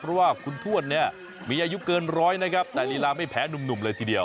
เพราะว่าคุณทวดเนี่ยมีอายุเกินร้อยนะครับแต่ลีลาไม่แพ้หนุ่มเลยทีเดียว